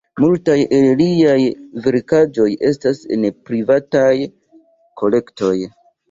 Multaj el liaj verkaĵoj estas en privataj kolektoj.